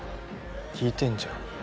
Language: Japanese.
聞いてんじゃん。